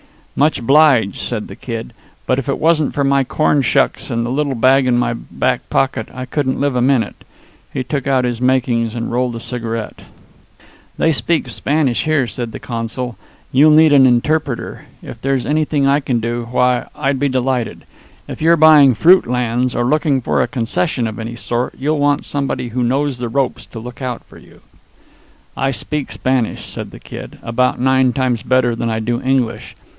"Much obliged," said the Kid, "but if it wasn't for my corn shucks and the little bag in my back pocket I couldn't live a minute." He took out his "makings," and rolled a cigarette. "They speak Spanish here," said the consul. "You'll need an interpreter. If there's anything I can do, why, I'd be delighted. If you're buying fruit lands or looking for a concession of any sort, you'll want somebody who knows the ropes to look out for you." "I speak Spanish," said the Kid, "about nine times better than I do English.